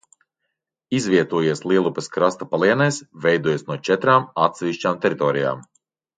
Izvietojies Lielupes krasta palienēs, veidojas no četrām atsevišķām teritorijām.